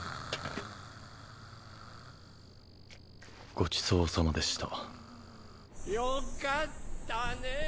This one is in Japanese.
ごちそうさまでしたよかったね